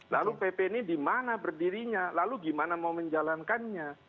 lalu pp ini di mana berdirinya lalu gimana mau menjalankannya